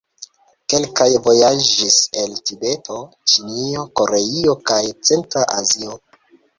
Kelkaj vojaĝis el Tibeto, Ĉinio, Koreio kaj centra Azio.